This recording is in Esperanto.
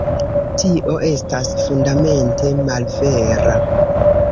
Tio estas fundamente malvera.